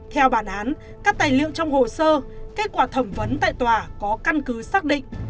theo bản án các tài liệu trong hồ sơ kết quả thẩm vấn tại tòa có căn cứ xác định